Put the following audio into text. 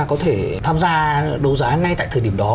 có thể tham gia đấu giá ngay tại thời điểm đó